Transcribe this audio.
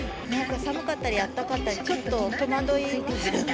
寒かったり、暖かかったり、ちょっと戸惑いますよね。